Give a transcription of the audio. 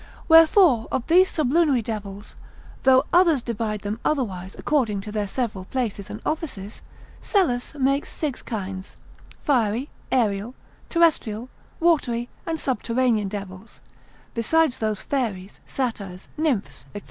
Wherefore of these sublunary devils, though others divide them otherwise according to their several places and offices, Psellus makes six kinds, fiery, aerial, terrestrial, watery, and subterranean devils, besides those fairies, satyrs, nymphs, &c.